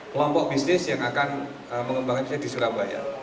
kelompok bisnis yang akan mengembangkannya di surabaya